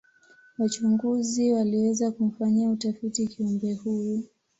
wachunguzi waliweza kumfanyia utafiti kiumbe huyu